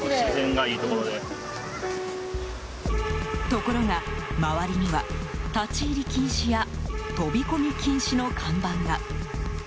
ところが、周りには立ち入り禁止や飛び込み禁止の看板が。